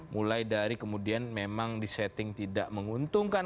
mulai dari kemudian memang di setting tidak menguntungkan